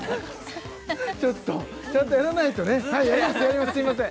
ちょっとちゃんとやらないとねはいやります